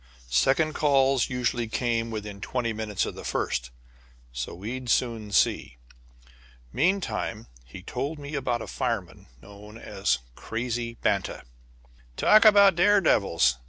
Second calls usually came within twenty minutes of the first, so we'd soon see. Meantime, he told me about a fireman known as "Crazy" Banta. "Talk about daredevils!"